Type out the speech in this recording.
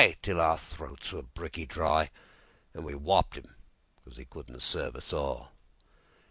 Till our throats were bricky dry, Then we wopped 'im 'cause 'e couldn't serve us all.